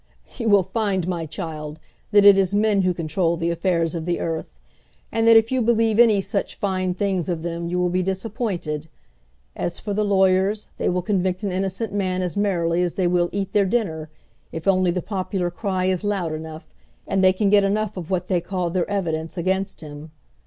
"You will find, my child, that it is men who control the affairs of the earth; and that if you believe any such fine things of them you will be disappointed. As for the lawyers, they will convict an innocent man as merrily as they will eat their dinner, if only the popular cry is loud enough, and they can get enough of what they call their evidence against him.